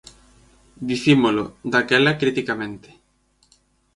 Dicímolo, daquela criticamente.